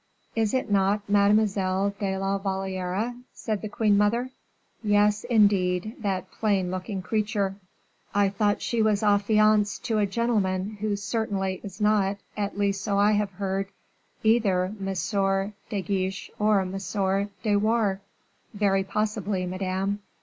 "Is it not Mademoiselle de la Valliere?" said the queen mother. "Yes, indeed, that plain looking creature." "I thought she was affianced to a gentleman who certainly is not, at least so I have heard, either M. de Guiche or M. de Wardes?" "Very possibly, madame."